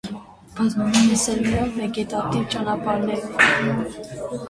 Բազմանում է սերմերով, վեգետատիվ ճանապարհներով։